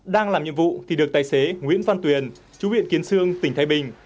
đang làm nhiệm vụ thì được tài xế nguyễn văn tuyền chú viện kiến sương tỉnh thái bình